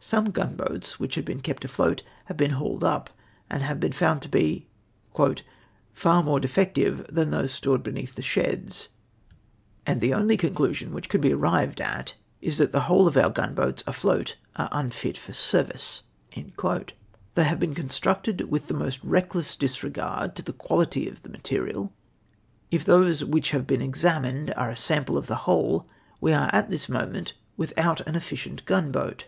Some gunboats w^hich had been kept afloat have been hauled up, and have been found to be ' far more defective than those stored beneath the sheds, and the only conclusion which can be arrived at is that the whole of our gunboats afloat are unfit for service.' They have been constructed Avitli the most reckless disregard to the C[ualit,y of the material. If tliose which have been examined are a sample of the whole, Ave are at this moment without an efficient gunboat.